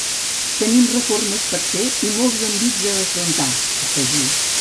Tenim reformes per a fer i molts envits a afrontar, afegí.